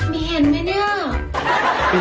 มีเอ็นไหมเนี่ย